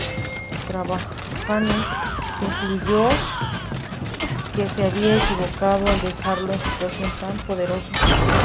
Trajano concluyó que se había equivocado al dejarlo en situación tan poderosa.